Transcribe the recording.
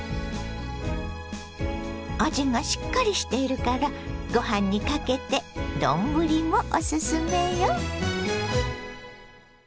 味がしっかりしているからごはんにかけて丼もオススメよ。